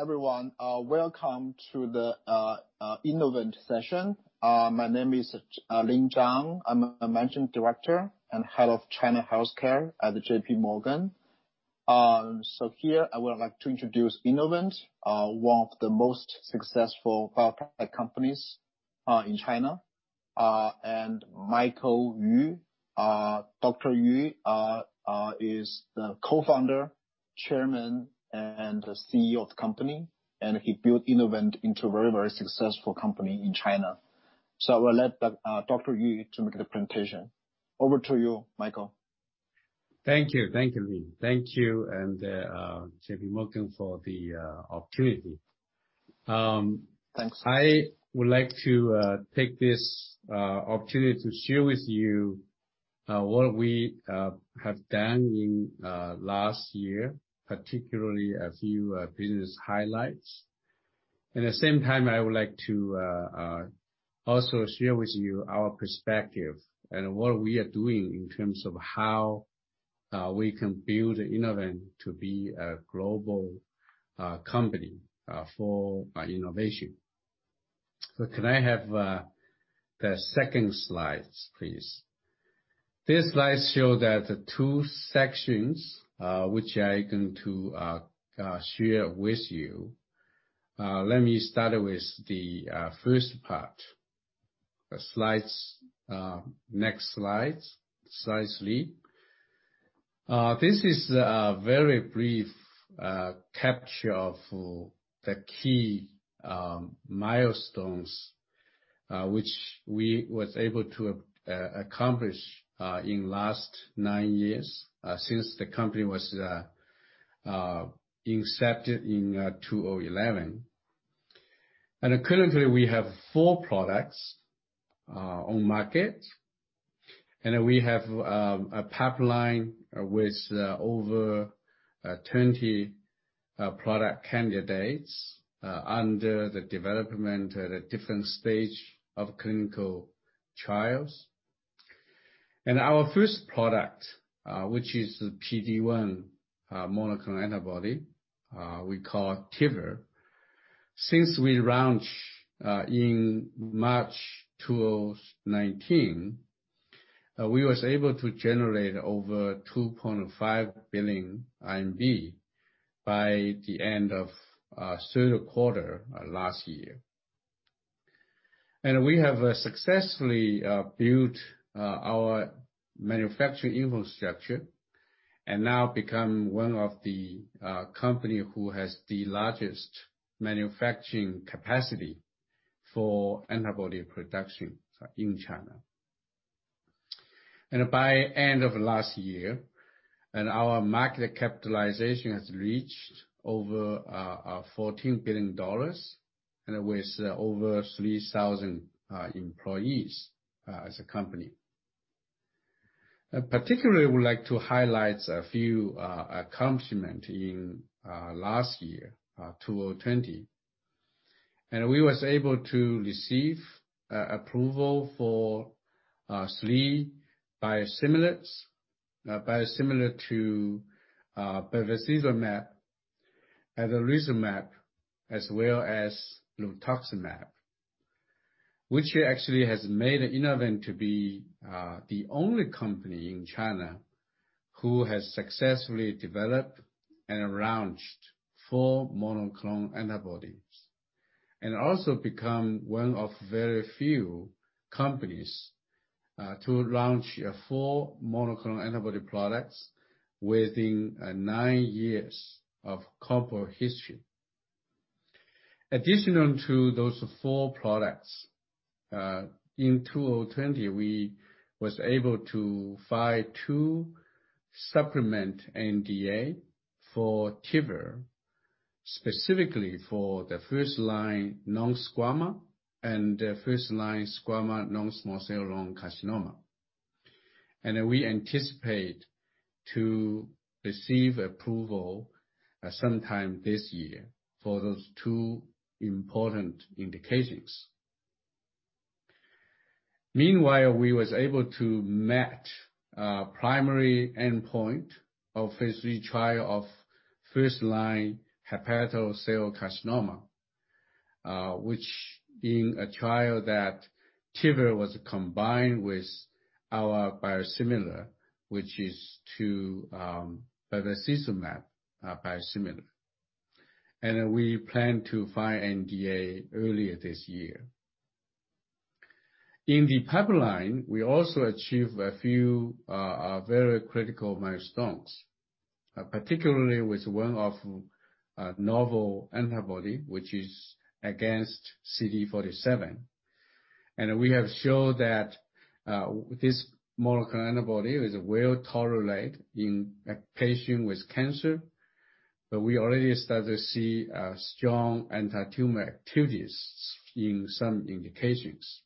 Everyone, welcome to the Innovent session. My name is Ling Zhang. I'm a Managing Director and Head of China Healthcare at JP Morgan. Here I would like to introduce Innovent, one of the most successful biotech companies in China, and Michael Yu. Dr. Yu is the Co-founder, Chairman, and the CEO of the company, and he built Innovent into a very successful company in China. I will let Dr. Yu to make the presentation. Over to you, Michael. Thank you, Ling. Thank you and JP Morgan for the opportunity. Thanks. I would like to take this opportunity to share with you what we have done in last year, particularly a few business highlights. At the same time, I would like to also share with you our perspective and what we are doing in terms of how we can build Innovent to be a global company for innovation. Can I have the second slide, please? This slide shows the two sections, which I am going to share with you. Let me start with the first part. Next slide. Slide three. This is a very brief capture of the key milestones which we were able to accomplish in last nine years since the company was incepted in 2011. Currently, we have four products on market and we have a pipeline with over 20 product candidates under the development at a different stage of clinical trials. Our first product, which is the PD-1 monoclonal antibody, we call TYVYT. Since we launched in March 2019, we were able to generate over 2.5 billion RMB by the end of third quarter last year. We have successfully built our manufacturing infrastructure and now become one of the company who has the largest manufacturing capacity for antibody production in China. By end of last year, our market capitalization has reached over $14 billion, and with over 3,000 employees as a company. Particularly, I would like to highlight a few accomplishment in last year, 2020. We were able to receive approval for 3 biosimilars to bevacizumab, rituximab, as well as adalimumab, which actually has made Innovent to be the only company in China who has successfully developed and launched 4 monoclonal antibodies. Also become one of very few companies to launch four monoclonal antibody products within nine years of corporate history. Additional to those four products, in 2020, we were able to file two supplement NDA for TYVYT, specifically for the first-line non-squamous and first-line squamous non-small cell lung carcinoma. We anticipate to receive approval sometime this year for those two important indications. Meanwhile, we were able to match primary endpoint of phase III trial of first-line hepatocellular carcinoma, which being a trial that TYVYT was combined with our biosimilar, which is to bevacizumab biosimilar. We plan to file NDA earlier this year. In the pipeline, we also achieved a few very critical milestones, particularly with one of novel antibody, which is against CD47, and we have shown that this monoclonal antibody is well-tolerated in a patient with cancer, but we already started to see strong antitumor activities in some indications.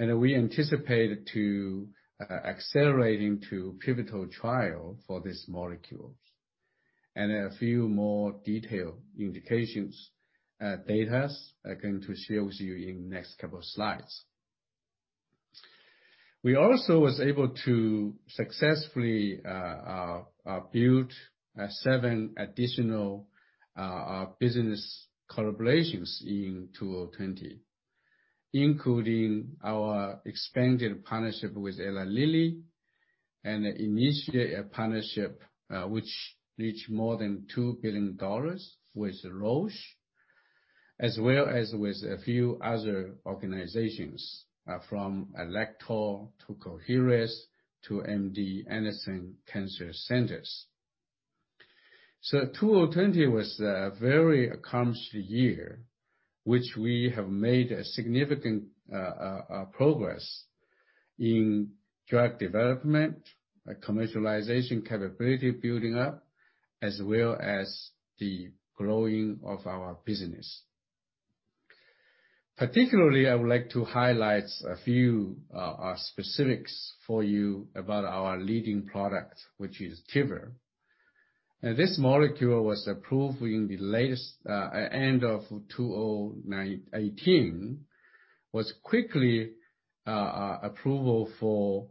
We anticipate to accelerating to pivotal trial for this molecule. A few more detailed indications data I'm going to share with you in next couple of slides. We also was able to successfully build seven additional business collaborations in 2020, including our expanded partnership with Eli Lilly and initiate a partnership which reached more than $2 billion with Roche, as well as with a few other organizations, from Electra to Coherus to MD Anderson Cancer Center. 2020 was a very accomplished year, which we have made significant progress in drug development, commercialization capability building up, as well as the growing of our business. Particularly, I would like to highlight a few specifics for you about our leading product, which is TYVYT. This molecule was approved in the end of 2018, was quickly approval for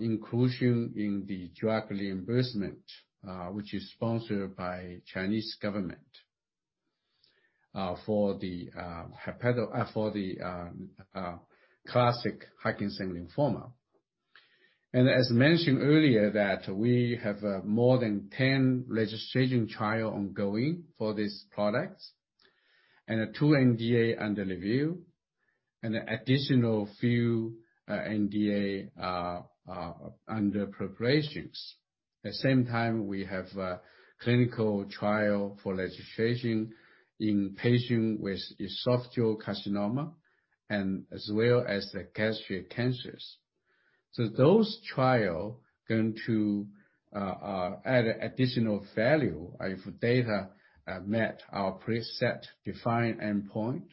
inclusion in the drug reimbursement, which is sponsored by Chinese government for the classical Hodgkin lymphoma. As mentioned earlier that we have more than 10 registration trial ongoing for this product, and 2 NDA under review, and additional few NDA under preparations. At the same time, we have a clinical trial for registration in patient with esophageal carcinoma and as well as the gastric cancers. Those trial going to add additional value if data met our preset defined endpoint,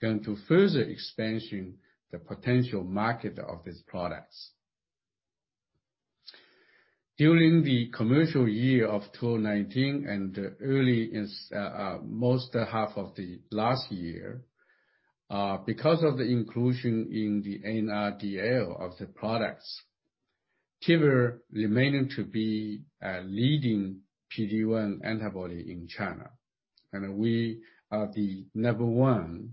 going to further expansion the potential market of these products. During the commercial year of 2019 and early in most half of the last year, because of the inclusion in the NRDL of the products, TYVYT remaining to be a leading PD-1 antibody in China. We are the number 1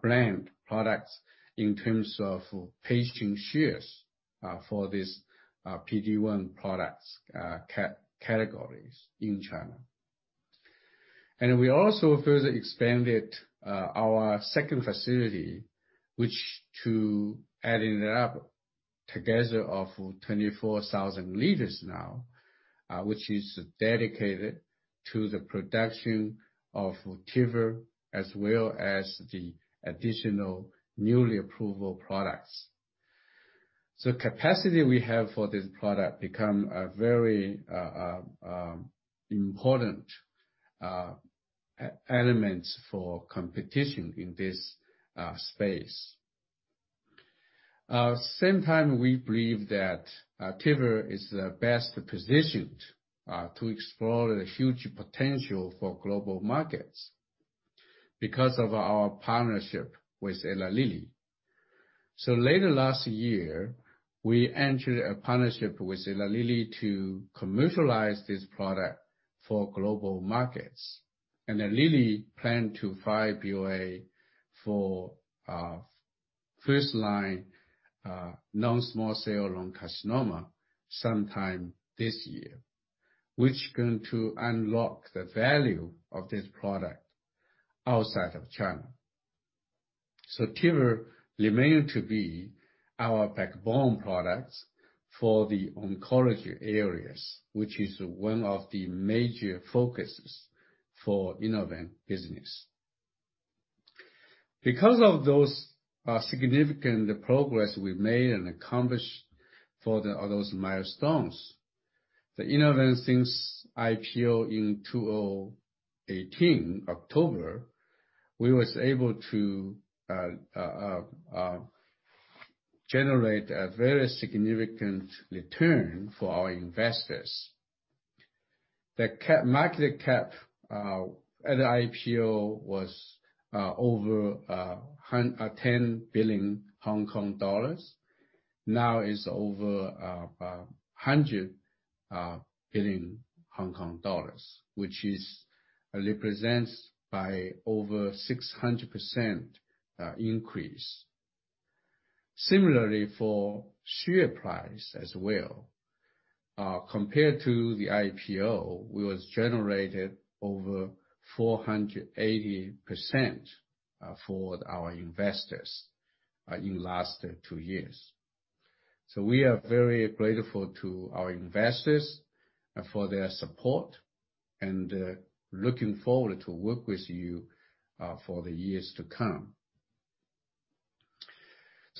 brand products in terms of patient shares for this PD-1 products categories in China. We also further expanded our second facility, which to adding it up together of 24,000 liters now, which is dedicated to the production of TYVYT, as well as the additional newly approved products. Capacity we have for this product become a very important element for competition in this space. Same time, we believe that TYVYT is best positioned to explore the huge potential for global markets because of our partnership with Eli Lilly. Later last year, we entered a partnership with Eli Lilly to commercialize this product for global markets. Lilly plan to file BLA for first-line non-small cell lung carcinoma sometime this year, which going to unlock the value of this product outside of China. TYVYT remain to be our backbone product for the oncology areas, which is one of the major focuses for Innovent business. those significant progress we made and accomplished for those milestones, the Innovent since IPO in 2018, October, we was able to generate a very significant return for our investors. The market cap at IPO was over 10 billion Hong Kong dollars. Now is over 100 billion Hong Kong dollars, which represents by over 600% increase. Similarly for share price as well, compared to the IPO, we was generated over 480% for our investors in last two years. We are very grateful to our investors for their support and looking forward to work with you for the years to come.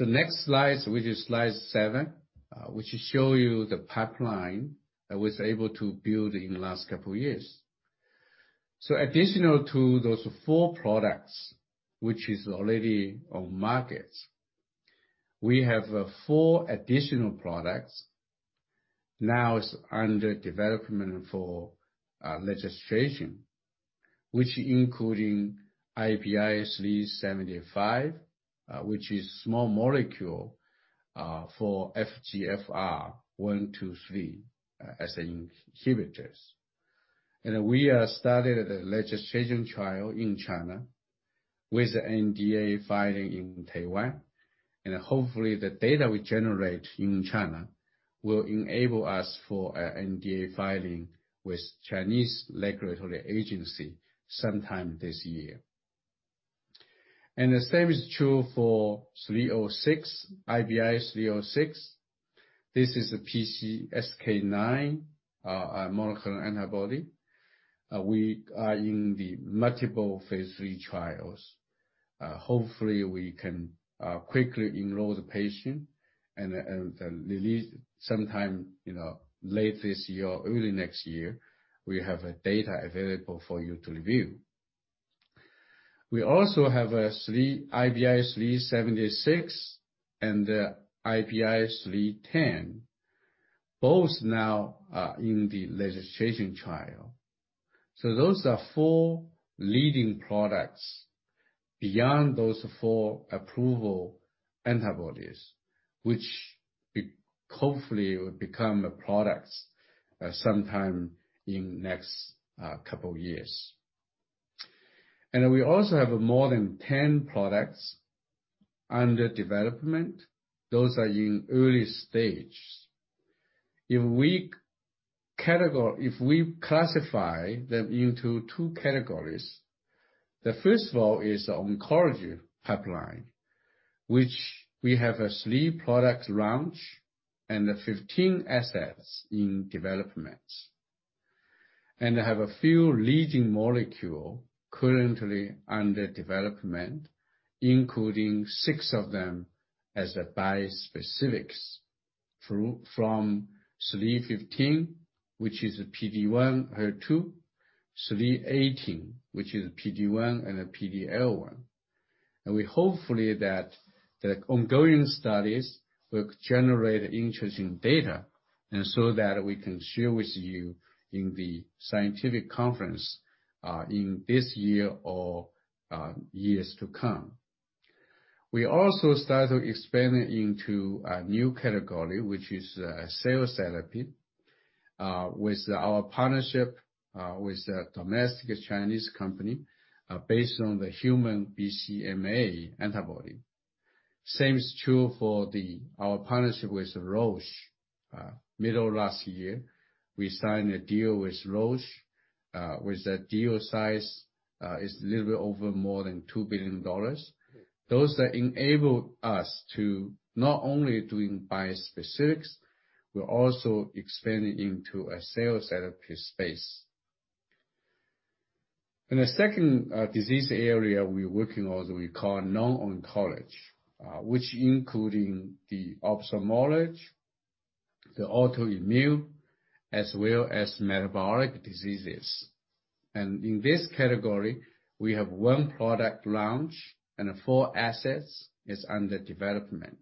Next slide, which is slide seven, which show you the pipeline I was able to build in the last couple years. Additional to those four products, which is already on market, we have four additional products. Now it's under development for registration, which including IBI375, which is small molecule for FGFR1/2/3 as inhibitors. We are started a registration trial in China with NDA filing in Taiwan, and hopefully the data we generate in China will enable us for NDA filing with Chinese regulatory agency sometime this year. The same is true for IBI306. This is a PCSK9 monoclonal antibody. We are in the multiple phase III trials. Hopefully, we can quickly enroll the patient and release sometime late this year or early next year, we have data available for you to review. We also have IBI376 and IBI310, both now are in the registration trial. Those are four leading products beyond those four approval antibodies, which hopefully will become products sometime in next couple years. We also have more than 10 products under development. Those are in early stages. If we classify them into two categories, the first of all is oncology pipeline, which we have three products launch and 15 assets in development. Have a few leading molecule currently under development, including six of them as a bispecifics from 315, which is a PD-1/HER2, 318, which is PD-1 and a PD-L1. We hopefully that the ongoing studies will generate interesting data and so that we can share with you in the scientific conference, in this year or years to come. We also started expanding into a new category, which is cell therapy, with our partnership with a domestic Chinese company, based on the human BCMA antibody. Same is true for our partnership with Roche. Middle last year, we signed a deal with Roche, with the deal size is little bit over more than $2 billion. Those enable us to not only doing bispecifics, we're also expanding into a cell therapy space. In the second disease area we're working on, we call non-oncology, which including the ophthalmology, the autoimmune, as well as metabolic diseases. In this category, we have one product launch and four assets is under development.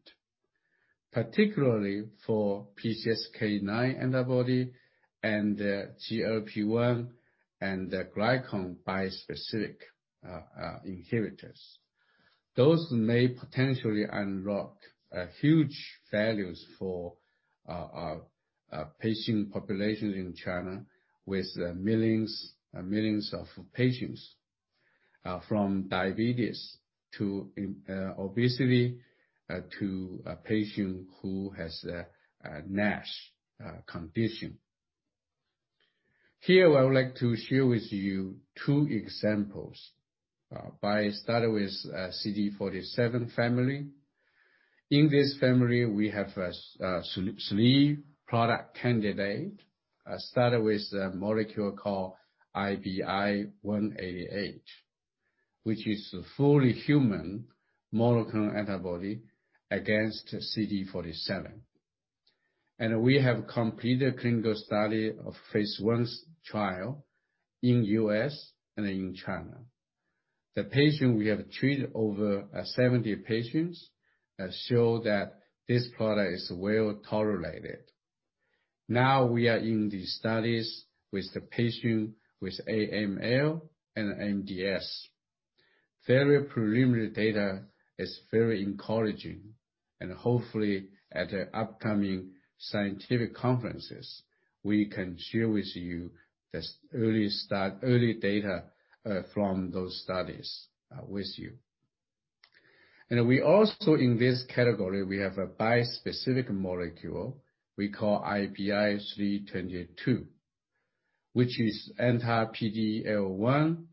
Particularly for PCSK9 antibody and GLP1 and glucagon bispecific inhibitors. Those may potentially unlock huge values for patient populations in China with millions of patients, from diabetes to obesity, to a patient who has NASH condition. Here, I would like to share with you two examples by starting with CD47 family. In this family, we have three product candidate. I start with a molecule called IBI188, which is a fully human monoclonal antibody against CD47. We have completed clinical study of phase I trial in U.S. and in China. The patient, we have treated over 70 patients, show that this product is well-tolerated. Now we are in the studies with the patient with AML and MDS. Very preliminary data is very encouraging and hopefully at the upcoming scientific conferences, we can share with you the early data from those studies with you. We also, in this category, we have a bispecific molecule we call IBI322, which is anti PD-L1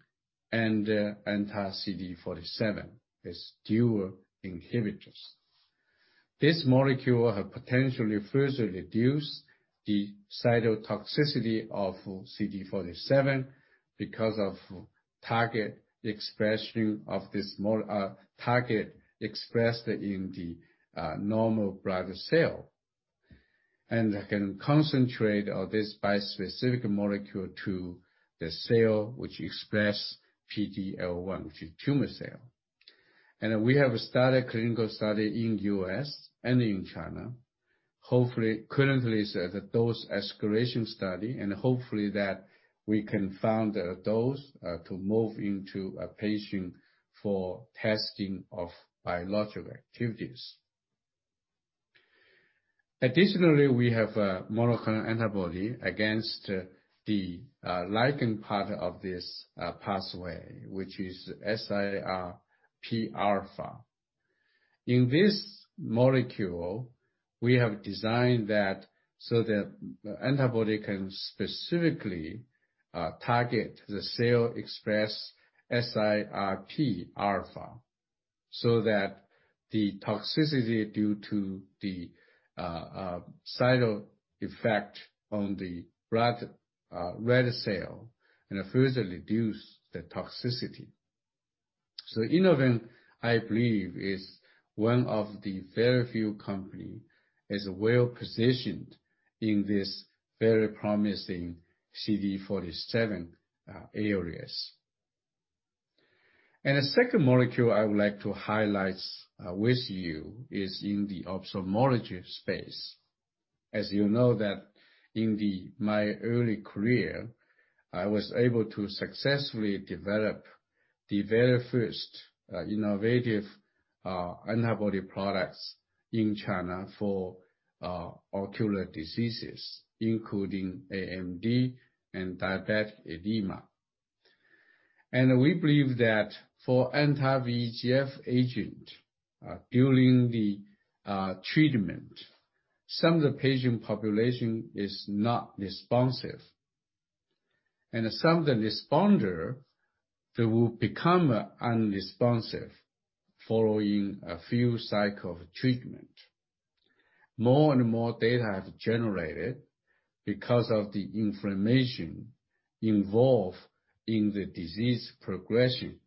and anti CD47 as dual inhibitors. This molecule have potentially further reduced the cytotoxicity of CD47 because of target expressed in the normal blood cell. Can concentrate on this bispecific molecule to the cell which express PD-L1, which is tumor cell. We have started clinical study in U.S. and in China. Currently, it is at a dose escalation study, and hopefully that we can find a dose to move into a patient for testing of biological activities. Additionally, we have a monoclonal antibody against the ligand part of this pathway, which is SIRPα. In this molecule, we have designed that so that the antibody can specifically target the cell express SIRPα, so that the toxicity due to the side effect on the red cell and further reduce the toxicity. Innovent, I believe, is one of the very few company is well-positioned in this very promising CD47 areas. A second molecule I would like to highlight with you is in the ophthalmology space. As you know that in my early career, I was able to successfully develop the very first innovative antibody products in China for ocular diseases, including AMD and diabetic macular edema. We believe that for anti-VEGF agent, during the treatment, some of the patient population is not responsive. Some of the responder, they will become unresponsive following a few cycle of treatment. More and more data have generated because of the inflammation involved in the disease progression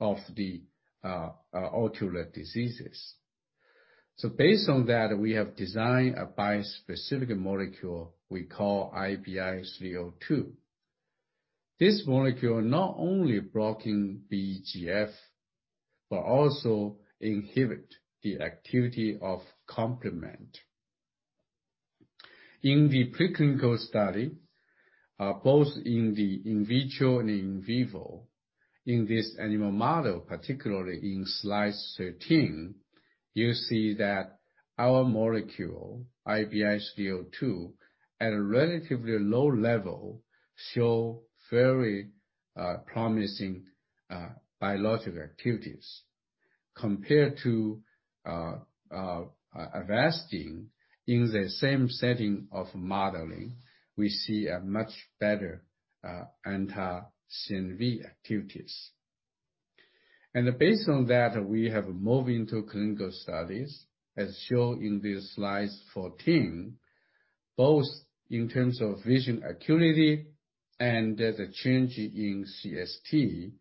of the ocular diseases. Based on that, we have designed a bispecific molecule we call IBI302. This molecule not only blocking VEGF, but also inhibit the activity of complement. In the preclinical study, both in the in vitro and in vivo, in this animal model, particularly in slide 13, you see that our molecule, IBI302, at a relatively low level, show very promising biological activities. Compared to Avastin in the same setting of modeling, we see a much better anti-CNV activities. Based on that, we have moved into clinical studies, as shown in this slide 14, both in terms of vision acuity and there's a change in CST.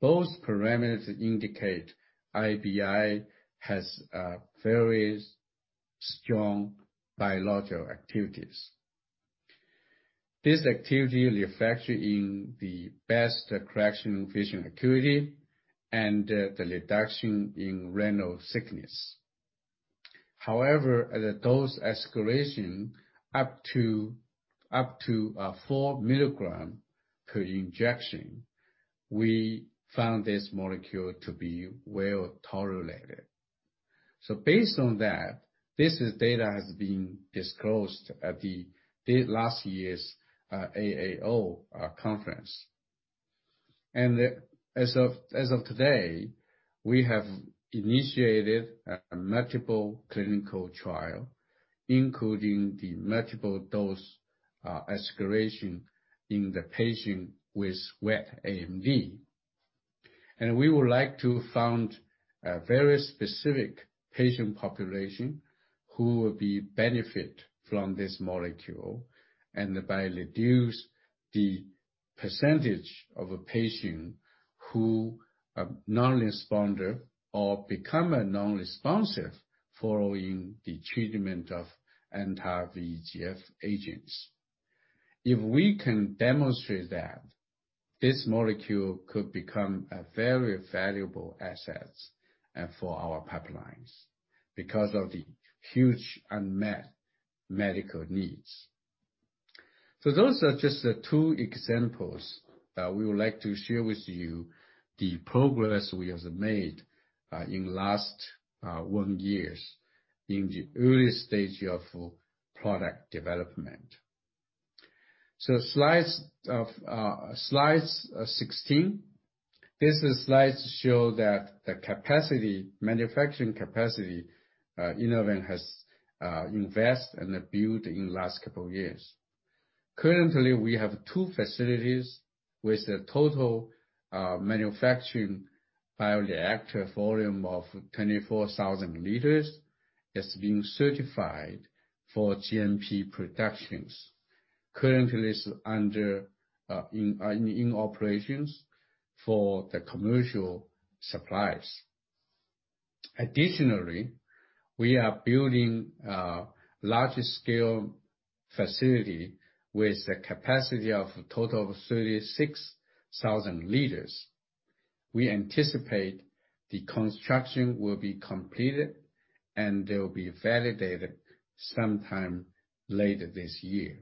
Both parameters indicate IBI has a very strong biological activities. This activity reflecting the best correction in vision acuity and the reduction in retinal thickness. However, the dose escalation up to 4 milligram per injection, we found this molecule to be well-tolerated. Based on that, this data has been disclosed at the last year's AAO conference. As of today, we have initiated a multiple clinical trial, including the multiple dose escalation in the patient with wet AMD. We would like to find a very specific patient population who will be benefit from this molecule, and by reduce the percentage of a patient who are non-responder or become a non-responsive following the treatment of anti-VEGF agents. If we can demonstrate that, this molecule could become a very valuable asset for our pipelines because of the huge unmet medical needs. Those are just two examples that we would like to share with you the progress we have made in last one years in the early stage of product development. Slide 16. This slide show that the manufacturing capacity Innovent has invest and build in last couple years. Currently, we have two facilities with a total manufacturing bioreactor volume of 24,000 liters. It's been certified for GMP productions. It is currently in operations for the commercial supplies. Additionally, we are building a large scale facility with the capacity of a total of 36,000 liters. We anticipate the construction will be completed, and it will be validated sometime later this year.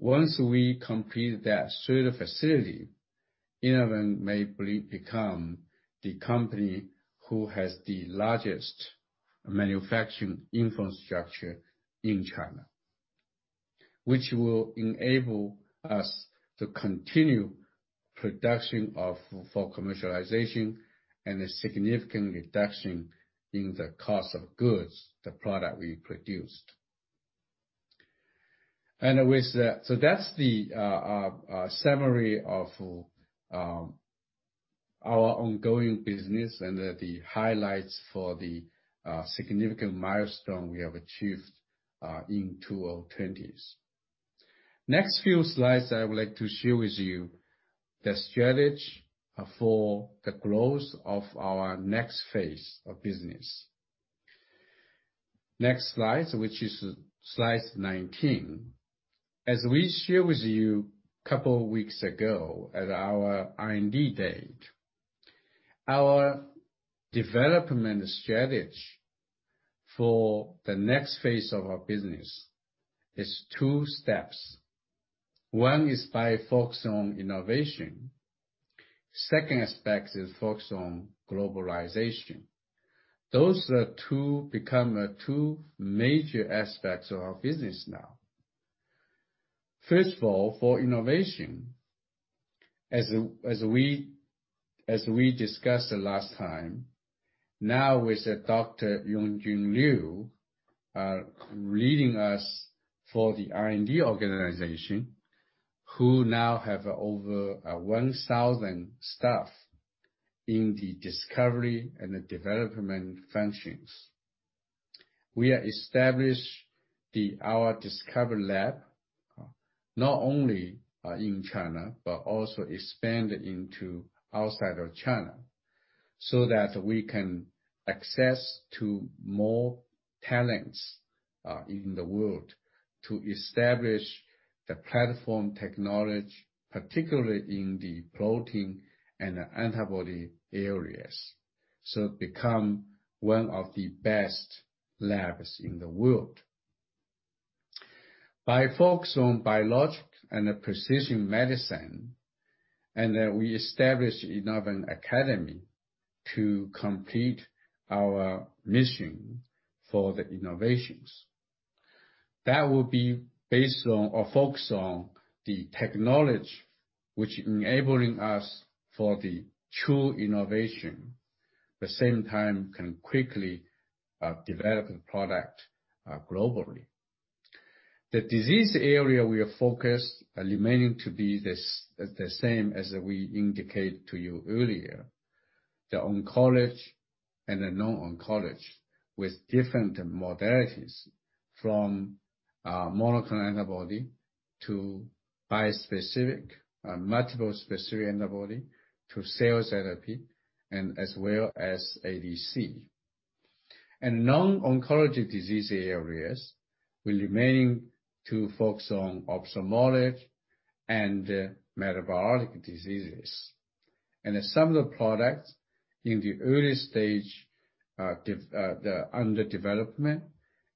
Once we complete that sort of facility, Innovent may become the company who has the largest manufacturing infrastructure in China, which will enable us to continue production for commercialization and a significant reduction in the cost of goods, the product we produced. That's the summary of our ongoing business and the highlights for the significant milestone we have achieved in 2020s. Next few slides, I would like to share with you the strategy for the growth of our next phase of business. Next slide, which is slide 19. As we shared with you a couple of weeks ago at our R&D Day, our development strategy for the next phase of our business is two steps. One is by focus on innovation. Second aspect is focus on globalization. Those two become two major aspects of our business now. First of all, for innovation, as we discussed the last time, now with Dr. Yong Jun Liu leading us for the R&D organization, who now have over 1,000 staff in the discovery and the development functions. We established our discovery lab, not only in China, but also expanded into outside of China, so that we can access to more talents in the world to establish the platform technology, particularly in the protein and antibody areas, so become one of the best labs in the world. By focus on biologic and precision medicine, we established Innovent Academy to complete our mission for the innovations. That will be based on, or focus on, the technology which enabling us for the true innovation. The same time can quickly develop the product globally. The disease area we are focused remaining to be the same as we indicate to you earlier, the oncology and the non-oncology, with different modalities. From monoclonal antibody to bispecific, multiple specific antibody to cell therapy, as well as ADC. Non-oncology disease areas will remain to focus on ophthalmologic and metabolic diseases. Some of the products in the early stage are under development,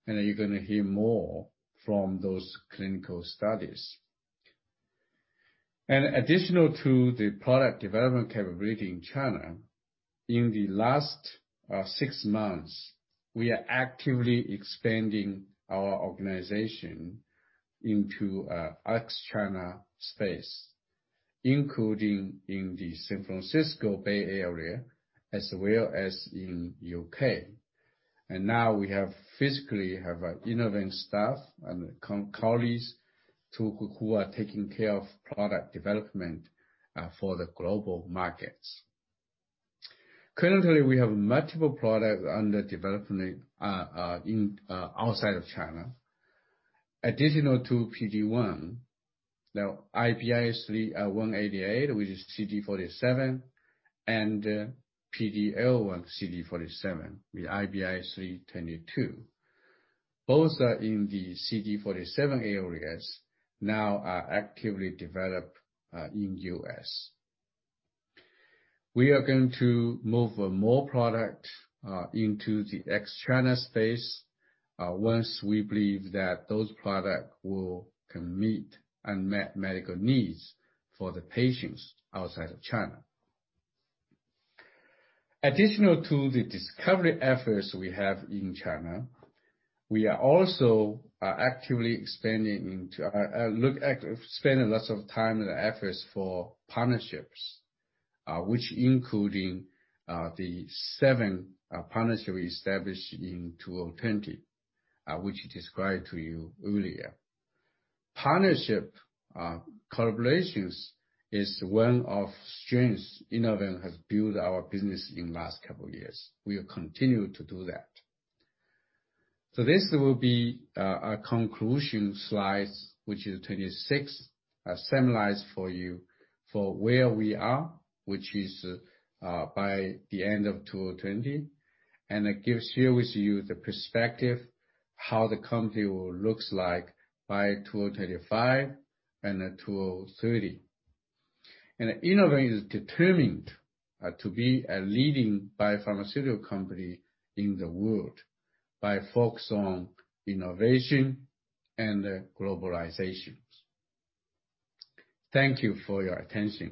and you're going to hear more from those clinical studies. Additional to the product development capability in China, in the last six months, we are actively expanding our organization into ex-China space, including in the San Francisco Bay Area, as well as in the U.K. Now we have physically have Innovent staff and colleagues who are taking care of product development for the global markets. Currently, we have multiple products under development outside of China. Additional to PD-1, now IBI188, which is CD47, and PD-L1/CD47 with IBI322. Both are in the CD47 areas now are actively developed in the U.S. We are going to move more product into the ex-China space once we believe that those product can meet unmet medical needs for the patients outside of China. Additional to the discovery efforts we have in China, we are also actively expanding into spending lots of time and efforts for partnerships, which including the seven partnership we established in 2020, which described to you earlier. Partnership collaborations is one of strengths Innovent has built our business in last couple years. We will continue to do that. This will be a conclusion slide, which is 26, summarize for you for where we are, which is by the end of 2020. It gives here with you the perspective how the company will looks like by 2025 and 2030. Innovent is determined to be a leading biopharmaceutical company in the world by focus on innovation and globalization. Thank you for your attention